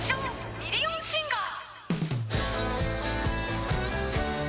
ミリオンシンガー